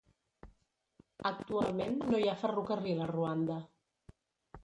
Actualment no hi ha ferrocarril a Ruanda.